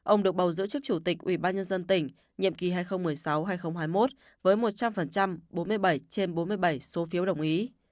ông được bầu giữ chức chủ tịch ủy ban nhân dân tỉnh nhiệm kỳ hai nghìn một mươi sáu hai nghìn hai mươi một với một trăm linh bốn mươi bảy trên bốn mươi bảy số phiếu đồng ý